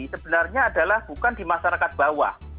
sebenarnya adalah bukan di masyarakat bawah